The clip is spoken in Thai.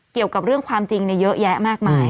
เกี่ยวกับเรื่องความจริงเยอะแยะมากมาย